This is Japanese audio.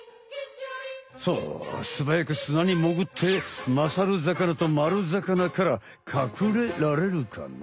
さあすばやく砂にもぐってまさるざかなとまるざかなからかくれられるかな？